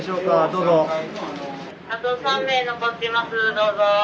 どうぞ。